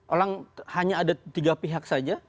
orang hanya ada tiga pihak saja